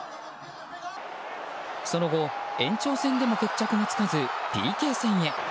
その後、延長戦でも決着がつかずＰＫ戦へ。